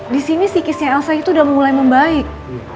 disini psikisnya elsa itu udah mulai membaik